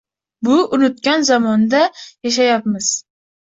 Bu unutgan zamonda yashayapmiz.